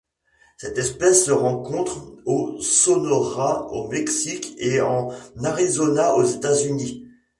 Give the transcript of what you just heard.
Cette espèce se rencontre au Sonora au Mexique et en Arizona aux États-Unis.